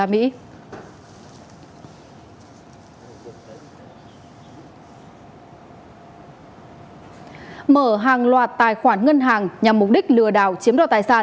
mở hàng loạt tài khoản ngân hàng nhằm mục đích lừa đảo chiếm đoạt tài sản